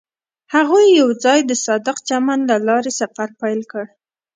هغوی یوځای د صادق چمن له لارې سفر پیل کړ.